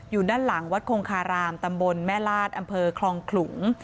อยู่ด้านหลังวัดคงคารามตำบลแม่ลาดอำเภอคลองขลุง